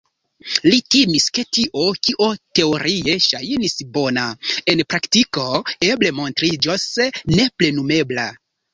Li timis, ke tio, kio teorie ŝajnis bona, en praktiko eble montriĝos neplenumebla.